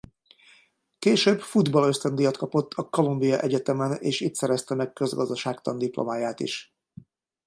Később futball ösztöndíjat kapott a Columbia Egyetemen és itt szerezte meg közgazdaságtan diplomáját is.